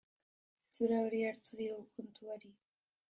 Itxura hori hartu diogu kontuari.